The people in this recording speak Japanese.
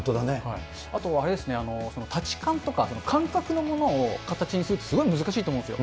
あとは立ち感とか、感覚のものを形にするって、すごい難しいと思うんですよ。